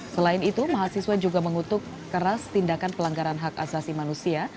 selain itu mahasiswa juga mengutuk keras tindakan pelanggaran hak asasi manusia